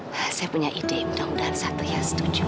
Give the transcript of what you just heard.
saya punya ide mudah mudahan satria setuju